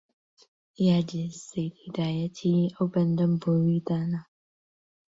یادی سەید هیدایەتی ئەو بەندەم بۆ وی دانا